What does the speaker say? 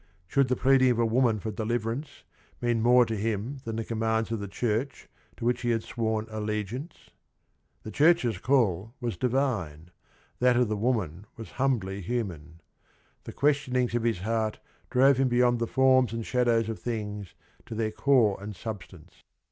Should the plead ing of a woman for deliverance mean more to him than the commands of the church to which he had sworn allegiance? The church's call was divine; that of the woman was humbly human. The questionings of his heart drove him beyond the forms and shadows of things to their core and substance.